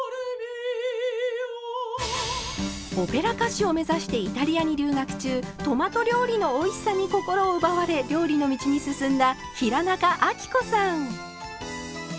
オペラ歌手を目指してイタリアに留学中トマト料理のおいしさに心を奪われ料理の道に進んだ平仲亜貴子さん。